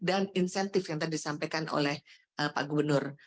dan insentif yang tadi disampaikan oleh pak gubernur